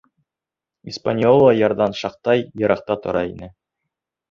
«Испаньола» ярҙан шаҡтай йыраҡта тора ине.